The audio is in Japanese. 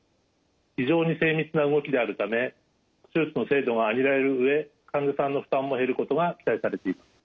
非常に精密な動きであるため手術の精度があげられる上患者さんの負担も減ることが期待されています。